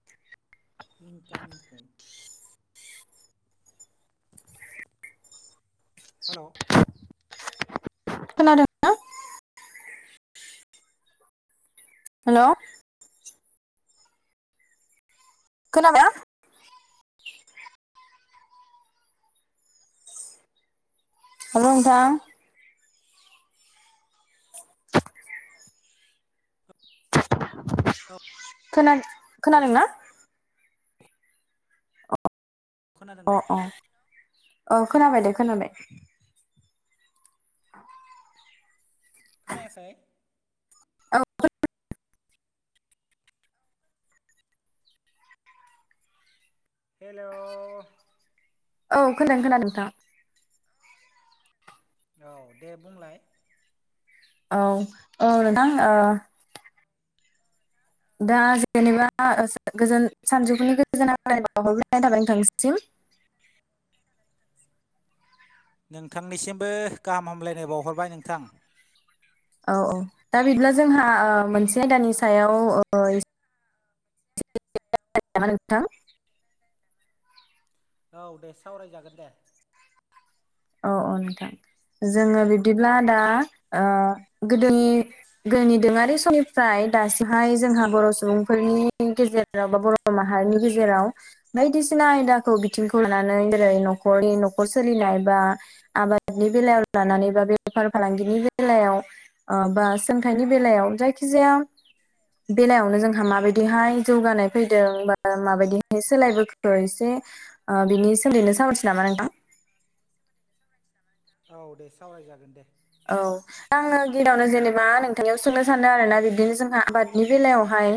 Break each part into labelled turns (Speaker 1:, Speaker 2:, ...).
Speaker 1: [inaudible]
Speaker 2: इंकामिं कल हेल'
Speaker 1: खोनादों हेलौ खोनाबायना हेलौ नोंथां
Speaker 2: औ
Speaker 1: खोना खोनादोंना
Speaker 2: खोनादों
Speaker 1: अ
Speaker 2: दे
Speaker 1: अ औ खोनाबाय दे खोनाबाय
Speaker 2: खोनायाखै
Speaker 1: औ [unintelligible]
Speaker 2: हेलौ
Speaker 1: औ खोनादों खोनादों नोंथां
Speaker 2: औ दे बुंलाय
Speaker 1: औ औ नोंथां ओ दा जेनेबा गोजोन सानजौफुनि गोजानहामलायनाय बावहरग्रोनाय थाबाय नोंथांसिम
Speaker 2: नोंथांनिसिमबो गाहाम हामलायनाय बावहरबाय नोंथां
Speaker 1: औ औ दा बिदिब्ला जोंहा मोनसे आयदानि सायाव [unintelligible] नोथां
Speaker 2: औ दे सावरायजागोन दे
Speaker 1: औ औ नोंथां जोङो बिदिब्ला दा गोदोनि गोदोनि दोरोङारि समनिफ्राय दासिमहाय जोंहा बर' सुबुंफोरनि गेजेर राव बा बर' माहारिनि गेजेराव बायदिसिना आयदाखौ बिथिंखौ लानानै जेरै न'खरनि न'खर सोलिनाय बा आबादनि बेलायाव लानानै बा बेफार फालांगिनि बेलायाव ओ बा सोलोंथाइनि बेलायाव जायखिजाया बेलायावनो जोंहा माबायदिहाय जौगानाय फैदों बा माबायदिहाय सोलायबोखो एसे ओ बिनि सोमोन्दैनो सावरायनोसै नामा नोंथां
Speaker 2: [unintelligible] औ दे सावरायजागोन दे
Speaker 1: औ आङो गिबियावनो जेनेबा नोंथांनियाव सोंनो सानदों आरो ना बिदिनो जोंहा आबादनि बेलायावहाय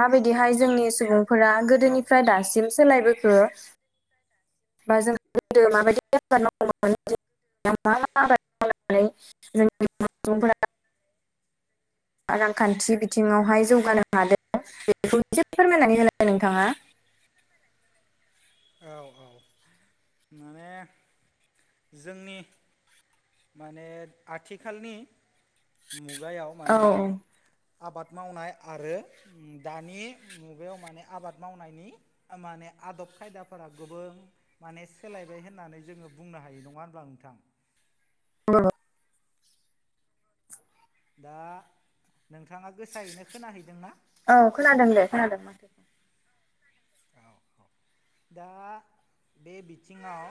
Speaker 1: माबायदिहाय जोंनि सुबुंफोरा
Speaker 2: औ
Speaker 1: गोदोनिफ्राय दासिम सोलायबोखो बा जोंहा गोदो माबायदि आबाद मावोमोन [unintelligible] मा मा आबाद [unintelligible] जोंनि [unintelligible] फोरा
Speaker 2: [inaudible]
Speaker 1: रांखान्थि बिथिङावहाय जौगानो हादों बेखौ एसे फोरमायनानै होलाय नोंथाङा
Speaker 2: औ औ माने जोंनि माने आथिखालनि मुगायाव
Speaker 1: औ
Speaker 2: माने
Speaker 1: औ
Speaker 2: आबाद मावनाय आरो दानि मुगायाव माने आबाद मावनायनि माने आदब खायदाफोरा गोबां माने सोलायबाय होननानै जोङो बुंनो हायो नङा होनब्ला नोंथां
Speaker 1: [unintelligible]
Speaker 2: दा नोंथाङा गोसायैनो खोनाहैदोंना
Speaker 1: औ खोनादों दे खोनादों माथो
Speaker 2: औ औ दा बे बिथिङाव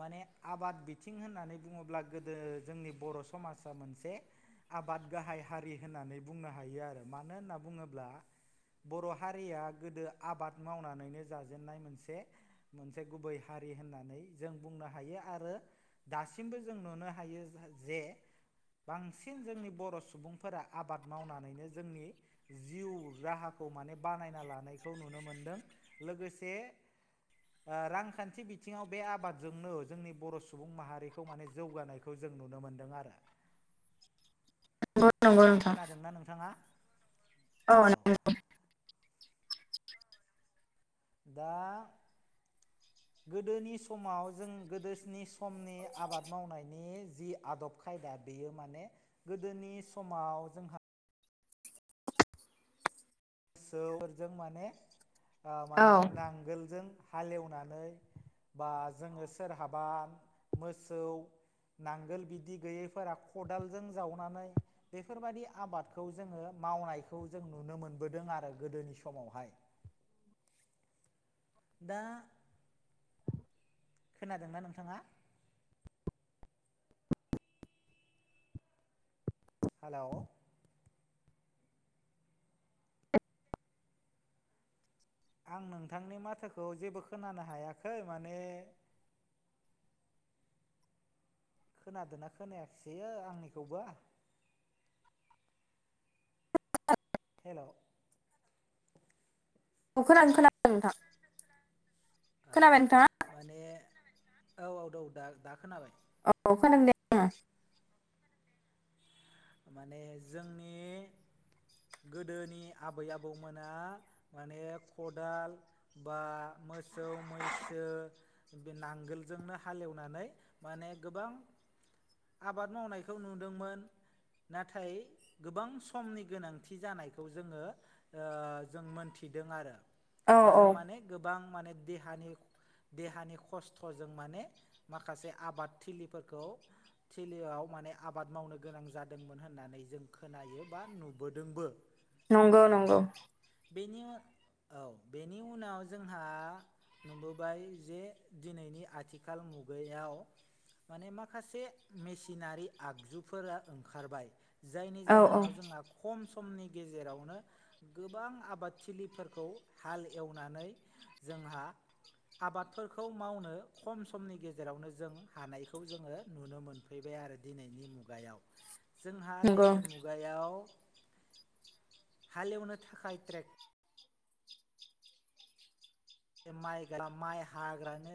Speaker 2: माने आबाद बिथिं होननानै बुङोब्ला गोदो जोंनि बर' समाजा मोनसे आबाद गाहाय हारि होननानै बुंनो हायो आरो मानो होनना बुङोब्ला बर' हारिया गोदो आबाद मावनानैनो जाजेननाय मोनसे मोनसे गुबै हारि होननानै जों बुंनो हायो आरो दासिमबो जों नुनो हायो जे बांसिन जोंनि बर' सुबुंफोरा आबाद मावनानैनो जोंनि जिउ राहाखौ माने बानायना लानायखौ नुनो मोनदों लोगोसे रांखान्थि बिथिङाव बे आबादजोंनो जोंनि बर' सुबुं माहारिखौ माने जौगानायखौ जों नुनो मोनदों आरो।
Speaker 1: नंगौ नंगौ नोंथां
Speaker 2: खोनादोंना नोंथाङा औ। दा गोदोनि समाव जों गोदोसनि सम समनि आबाद मावनायनि जि आदब खाया बेयो माने गोदोनि समाव जोंहा गोसौजों माने
Speaker 1: औ
Speaker 2: माने नांगोलजों हालेवनानै बा जोङो सोरहाबा मोसौ नांगोल बिदि गैयैफोरा खदालजों जावनानै बेफोरबायाददि आबादखौ जोङो मावनायखौ जों नुनो मोन बोदों आरो गोदोनि समावहाय दा खोनादोंना नोंथाङा। हेलौ। आं नोंथांनि माथोखौ जेबो खोनानो हायाखै माने खोनादोंना खोनायाखिसैयो आंनिखौबो? हेलौ
Speaker 1: न खोनानो खोनादों नोंथां।
Speaker 2: औ
Speaker 1: खोनाबाय नोंथाङा
Speaker 2: माने औ औ दं दा दा खोनाबाय।
Speaker 1: औ खोनादों दे।
Speaker 2: माने जोंनि गोदोनि आबै आबौमोना माने खदाल बा मोसौ मैसो बे नांगोलजोंनो हालेवनानै माने गोबां आबाद मावनायखौ नुदोंमोन। नाथाय गोबां समनि गोनांथि जानायखौ जोङो जों मोनथिदों आरो
Speaker 1: आङो औ
Speaker 2: आरो माने गोबां माने देहानि देहानि खस्थ'जों माने माखासे आबादथिलिफोरखौ थिलिआव माने आबाद मावनो गोनां जादोंमोन होननानै जों खोनायो बा नुबोदोंबो।
Speaker 1: नंगौ नंगौ।
Speaker 2: बेनि औ बेनि उनाव जोंहा नुबोबाय जे दिनैनि आथिखाल मुगायाव माने माखासे मेसिनारि आगजुफोरा ओंखारबाय जायनि
Speaker 1: औ औ
Speaker 2: जाहोनाव जोंहा खम समनि गेजेरावनो गोबां आबादथिलिफोरखौ हाल एवनानै जोंहा आबादफोरखौ मावनो खम समनि गेजेरावनो जों हानायखौ जोङो नुनो मोनफैबाय आरो। दिनैनि मुगायाव जोंहा
Speaker 1: नंगौ
Speaker 2: दिनै मुगायाव हालेवनो थाखाय ट्रेक माइ माइ हाग्रानो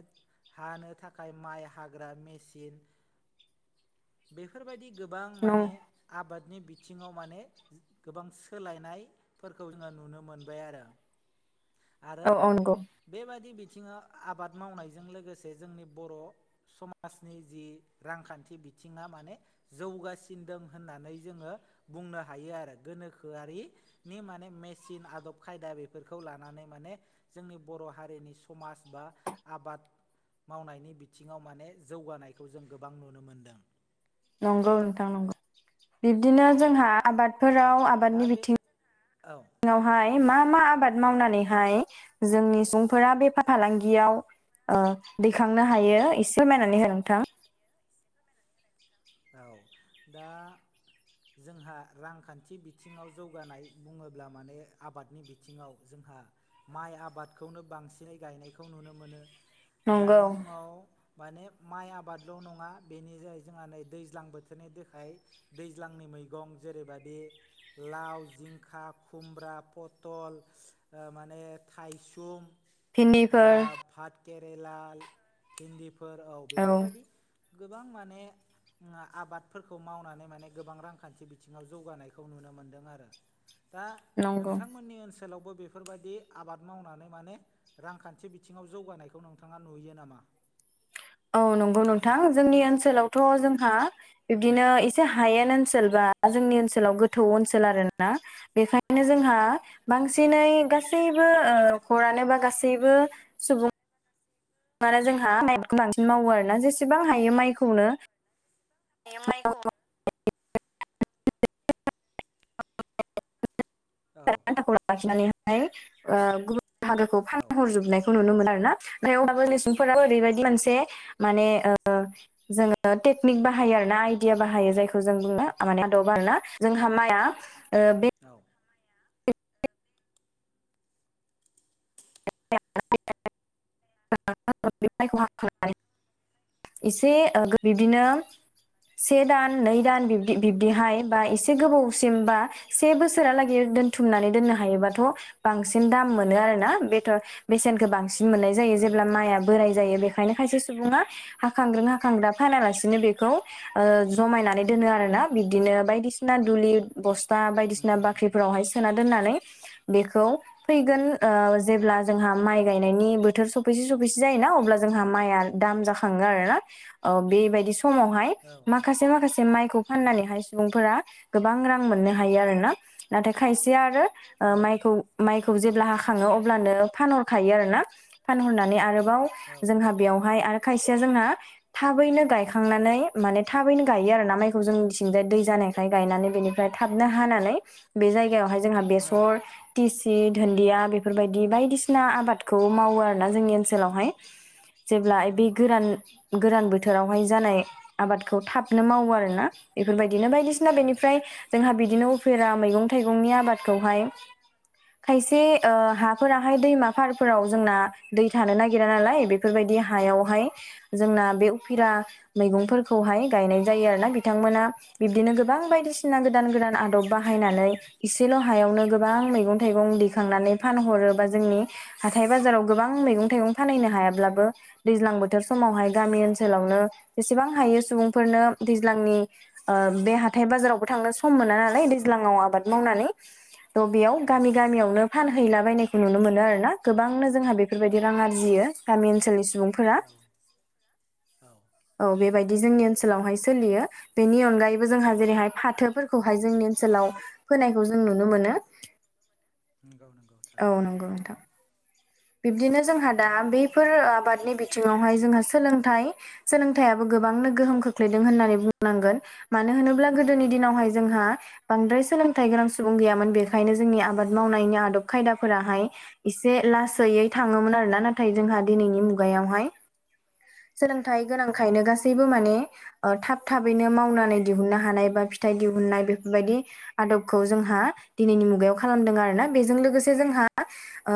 Speaker 2: हानो थाखाय माइ हाग्रा मेसिन बेफोरबायदि गोबां
Speaker 1: नं
Speaker 2: माने आबादनि बिथिङाव माने गोबां सोलायनाय फोरखौ जोङो नुनो मोनबाय आरो आरो
Speaker 1: औ औ नंगौ
Speaker 2: बेबादि बिथिङाव आबाद मावनायजों लोगोसे जोंनि बर' समाजनि जि रांखान्थि बिथिङा माने जौगासिन द होननानै जोङो बुंनो हायो आरो गोनोखोआरि माने मेसिन आदब खायदा बेफोरखौ लानानै माने जोंनि बर' हारिनि समाज बा आबाद मावनायनि बिथिङाव माने जौगानायखौ जों गोबां नुनो मोनदों।
Speaker 1: नंगौ नोंथां नंगौ बिब्दिनो जोंहा आबाद
Speaker 2: औ
Speaker 1: फोराव
Speaker 2: दा
Speaker 1: आबादनि
Speaker 2: बे
Speaker 1: बिथिं
Speaker 2: औ
Speaker 1: सिवहाय मा मा आबाद मावनानैहाय जोंनि सुबुंफोरा बेफार फालांगियाव दैखांनो हायो एसे फोरमायनानै हो नोंथां।
Speaker 2: औ दा जोंहा रांखान्थि बिथिङाव जौगानाय बुङोब्ला माने आबादनि बिथिङाव जोंहा माइ आबादखौनो बांसिनै गायनायखौ नुनो मोनो।
Speaker 1: नंगौ
Speaker 2: दानि दिनाव माने माइ आबादल' नङा बेनि जायै जोंहा नै दैज्लां बोथोरनि दाय दैज्लांनि मैगं जेरै लाव जिंखा खुमब्रा पथल माने थाइसुम
Speaker 1: भिन्दिफोर
Speaker 2: पाट केरेला इिन्दिफोर औ बेफोर बायदि गोबां माने आबादफोरखौ मावनानै माने गोबां रांखान्थि बिथिङाव जौगानायखौ नुनो मोन्दों आरो। दा
Speaker 1: नंगौ
Speaker 2: नोंथांमोननि ओनसोलावबो बेफोर बायदि आबाद मावनानै माने रांखान्थि बिथिङाव जौगानायखौ नोंथाङा नुयो नामा?
Speaker 1: औ नंगौ नोंथां जोंनि ओनसोलावथ' जोंहा बिब्दिनो एसे हायेन ओनसोल बा जोंनि ओनसोलाव गोथौ ओनसोल आरो बेखायनो जोंहा
Speaker 2: औ
Speaker 1: बांसिनै गासैबो खरानो बा गासैबो सुबुं मान जोंहााइ बांसिन मावो आरोोना जेसेबां हायो माइखौनो
Speaker 2: एम आइखौ औ
Speaker 1: [unintelligible]
Speaker 2: औ
Speaker 1: नुनो मोन आरो ना मफ्राय अब्लााबो लिसुंफोरााब ओरैबायदि मोनसे माने जोङो टेकनिक बाहायो आरो ना आइदिया बाहायो जायखौ जों बुंनो माने आदबा आरोना जोंहा माइआ ओ बे
Speaker 2: औ [unintelligible]
Speaker 1: [unintelligible] से दान नै दान बिब्दि बिब्दिहाय बा एसे गोबावसिम बा से बोसोरालागै दोनथुमनानै दोननो हायोबाथ' बांसिन दाम मोनो आरोना बे बेसेनखौो बांसिन मोननाय जायो
Speaker 2: औ
Speaker 1: जेब्ला
Speaker 2: औ
Speaker 1: माइआ बोराय जायो बेखायनो खायसे सुबुङा? हाखांग्रों हाखांग्रा फानालासिनो बेखौ जमायनानै दोनो आरो ना बिदिनो बायदिसिना दुलि बसथा बायदिसिना
Speaker 2: नंगौ नंगौ
Speaker 1: बाख्रिफोरावहाय सोना दोननानै बेखौ फैगोन। जेब्ला जोंहा माइ गायनायनि बोथोर सफैसे सफैसे जायोना अब्ला जोंहा माइआ दाम जाखाङो आरो ना? औ बेबायदि समावहाय
Speaker 2: औ औ
Speaker 1: माखासे माखासे माइखौ फाननानैहाय सुबुंफोरा गोबां रां मोननो हायो आरो ना नाथाय खायसे आरो।
Speaker 2: औ
Speaker 1: माइखौ माइखौ जेब्ला हाखङो अब्लानो फानहरखायो आरोना फानहरनानै आरोबाव।
Speaker 2: औ
Speaker 1: जोंहा बेवहाय आरो खायसेया जोंना थाबैनो गायखांनानै माने थाबैनो गायो आरोोना माइखौ जोंनिथिंजाय दै जानाय गायनानै बेनिफ्राय थाबनो हानानै बे जायहाय जोंहा बेसर टिसि दुन्दिया बे बेफोरबायदि बायदिसिना आबादखौ मावो आरो ना जोंनि ओनसोलावहाय जेब्ला
Speaker 2: औ
Speaker 1: बे गोरान गोोरान बोथोरावहाय जानाय आबादखौ थाबनो मावो आरोोना बेफोरबायदिनो बायदिसिना ना बेनिफ्राय जोंहा बिदिनो उफेरा मैगं थाइगंनि आबादखौहाय खायसे। हाफोराहाय दैमा फारफोराव जोंना दै थानो नागिरा नालाय बेफोरबायदि हायावहाय। जोंना बे उफिरा मैगंफोरखौहाय गायनाय जायो आरोोना बिथांमोना। बिबदिनो गोबां बायदिसिना गोदान गोदान आदब बाहायनानै एसेल' हायावनो
Speaker 2: औ
Speaker 1: गोबां मैगं थाइगं दैखांनानै फानहरोबा जोंनि हाथाय बाजाराव गोबां मैगं थाइगं फानहैनो हायाब्लाबो दैज्लां बोथोर समावहाय गामि ओनसोलावनो जेसेबां हायो सुबुंफोरनो दैज्लांनि ओ बे हाथाय बाजारावबो थांनो सम मोना नालाय दैज्लाङाव आबाद मावनानै थ बेयाव
Speaker 2: औ
Speaker 1: गामि गामियावनो फानहैलाबायनायखौ नुनो मोनो आरो ना गोबांनो जोंहा बेफोरबायदि रां आरजियो गामि ओनसोलनि सुबुं
Speaker 2: औ औ
Speaker 1: औ बेबायदि जोंनि ओनसोलावहाय सोलियो। बेनि अनगायैबो जोंहा जेरैहाय फाथोफोरखौहाय जोंनि ओनसोलाव फोनायखौ जों नुनो मोनो।
Speaker 2: नोंगौ नोंगौ
Speaker 1: औ नंगौ नोंथां बिब्दिनो जोंहा दा बैफोर आबादनि बिथिङावहाय जोंहा सोलोंथाइ सोलोंथाइयाबो गोबांनो गोहोम खोख्लैदों होननानै बुंनांगोन मानो होनोब्ला गोदोनि
Speaker 2: औ
Speaker 1: दिनावहाय जोंहा बांद्राय सोलोंथाइ गोनां सुबुं गैयामोन बेखायनो जोंनि आबाद मावनायनि आदब खायदाफोराहाय एसे लासैयै थाङोमोन आरो ना नाथाय जोंहा दिनैनि मुगायावहाय सोलोंथाइ
Speaker 2: औ
Speaker 1: गोनांखायनो गासैबो माने ओ थाब थाबैनो मावनानै दिहुननो हानाय बा फिथाइ दिहुननाय बेफोरबायदि आदबखौ जोंहा दिनैनि मुगायाव खालामदों आरो ना बेजों लोगोसे जोंहा ओ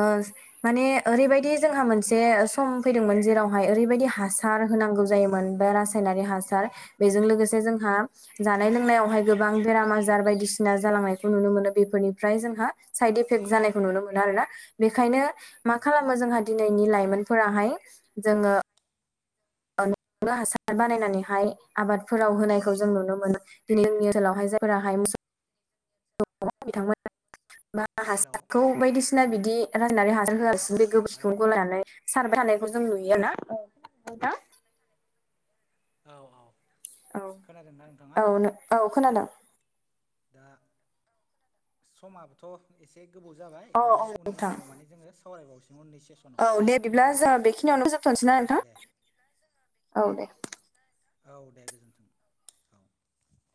Speaker 1: माने ओरैबायदि जोंहा मोनसे सम फैदोंमोन जेरावहाय ओरैबायदि हासार होनांगौ जायोमोन बा रासायनारि हासार बेजों जोंहा जानाय लोंनायावहाय गोबां बेराम आजा जार बायदिसिना जालांनायखौ नुनो मोनो। बेफोरनिफ्राय जोंहा साइद एफेक जानायखौ नुनो मोन आरोना बेनिखायनो मा खालामो जोंहा दिनैनि लाइमोनफोराहाय जोङो नयावनो हासार बानायनानैहाय आबादफोराव होनायखौ जों नुनो मोनो। दिनै जोंनि ओनसोलावहाय जायफोराहाय मुस [unintelligible] दङ बिथांमोना बा
Speaker 2: हेलौ
Speaker 1: हासारखौ बायदिसिना बिदि राननानै हासार
Speaker 2: हेलौ
Speaker 1: होयासिनो बे गोबोर
Speaker 2: हेलौ
Speaker 1: खिखौ लायनानै सारबाय थानायखौ जों नुयो ना? नोंथां
Speaker 2: औ औ
Speaker 1: औ
Speaker 2: खोनादोंना नोंथाङा?
Speaker 1: औ औ नों खोनादों
Speaker 2: दा समाबो थ' एसे गोबाव जाबाय
Speaker 1: औ
Speaker 2: माने
Speaker 1: औ
Speaker 2: उननि
Speaker 1: नोंथां
Speaker 2: समाव माने जोङो सावरायबावसिगोन उननि सेसनाव
Speaker 1: औ दे बिदिब्ला
Speaker 2: औ
Speaker 1: जों
Speaker 2: औ
Speaker 1: बेखिनियावनो होजोबथ'नोसै न नोंथां
Speaker 2: दे
Speaker 1: औ दे
Speaker 2: औ दे गोजोन्थों औ